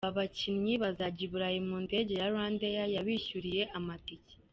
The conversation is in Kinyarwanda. Aba bakinnyi bazajya i Burayi mu ndege ya RwandAir, yabishyuriye amatike.